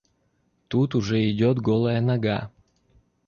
Тут уже идет голая нога.